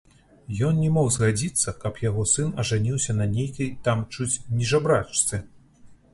Ён не мог згадзіцца, каб яго сын ажаніўся на нейкай там чуць не жабрачцы.